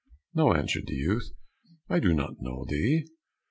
"No," answered the youth, "I do not know thee."